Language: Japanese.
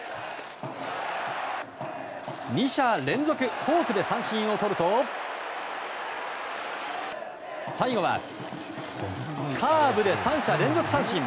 ２者連続フォークで三振をとると最後はカーブで３者連続三振。